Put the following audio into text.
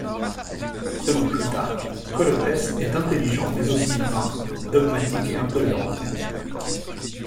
Selon Plutarque, Colotès est intelligent mais aussi vain, dogmatique et intolérant.